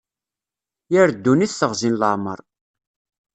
Yir ddunit teɣzi n leɛmer.